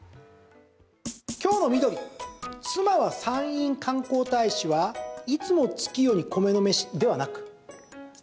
今日の緑、妻は山陰観光大使はいつも月夜に米の飯ではなく？